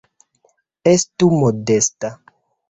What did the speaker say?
Estu modesta.